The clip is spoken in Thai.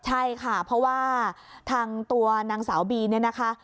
ใช่ค่ะเพราะว่าทางตัวนางสาวบีเนี่ยนะคะ